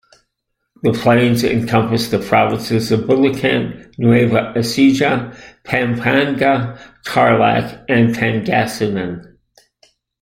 The plains encompass the provinces of Bulacan, Nueva Ecija, Pampanga, Tarlac and Pangasinan.